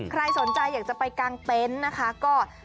ใครสนใจอยากจะไปกางเต็นต์นะคะก็